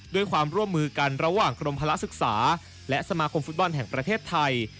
ด้วยความร่วมมือกันระหว่างกรมภาระศึกษาและสมาคมฟุตบอลแห่งประเทศไทย